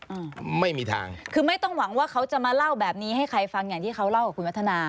อืมไม่มีทางคือไม่ต้องหวังว่าเขาจะมาเล่าแบบนี้ให้ใครฟังอย่างที่เขาเล่ากับคุณวัฒนา